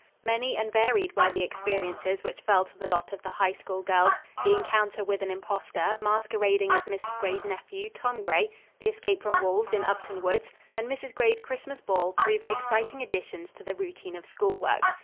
Many and varied were the experiences which fell to the lot of the High School girls. The encounter with an impostor, masquerading as Mrs. Gray's nephew, Tom Gray, the escape from wolves in Upton Woods, and Mrs. Gray's Christmas ball proved exciting additions to the routine of school work.